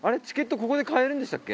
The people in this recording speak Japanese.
ここで買えるんでしたっけ？